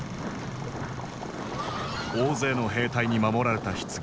大勢の兵隊に守られたひつぎ。